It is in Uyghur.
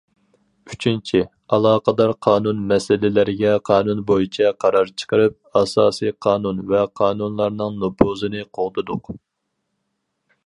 ئۈچىنچى، ئالاقىدار قانۇن مەسىلىلىرىگە قانۇن بويىچە قارار چىقىرىپ، ئاساسىي قانۇن ۋە قانۇنلارنىڭ نوپۇزىنى قوغدىدۇق.